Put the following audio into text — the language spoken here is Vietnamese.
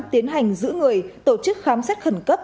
tiến hành giữ người tổ chức khám xét khẩn cấp